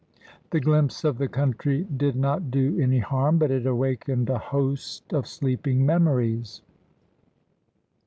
The glimpse of the country did not do any harm, but it awakened a host of sleeping memories.